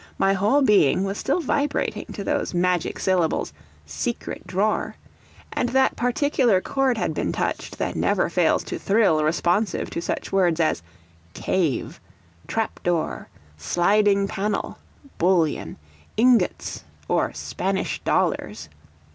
My whole being was still vibrating to those magic syllables, "secret drawer;" and that particular chord had been touched that never fails to thrill responsive to such words as CAVE, TRAP DOOR, SLIDING PANEL, BULLION, INGOTS, or SPANISH DOLLARS.